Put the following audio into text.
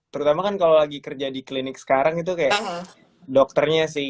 terutama kan kalau lagi kerja di klinik sekarang itu kayak dokternya sih